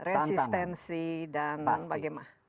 resistensi dan bagaimana